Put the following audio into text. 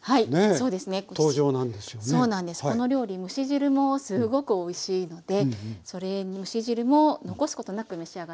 この料理蒸し汁もすごくおいしいので蒸し汁も残すことなく召し上がって頂きたい。